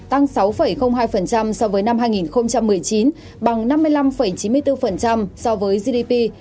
tăng sáu hai so với năm hai nghìn một mươi chín bằng năm mươi năm chín mươi bốn so với gdp